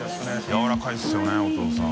やわらかいですよね弟さん。